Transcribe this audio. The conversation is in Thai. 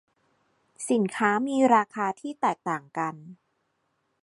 สินค้ามีราคาที่แตกต่างกัน